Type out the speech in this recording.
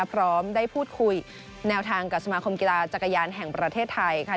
พร้อมได้พูดคุยแนวทางกับสมาคมกีฬาจักรยานแห่งประเทศไทยค่ะ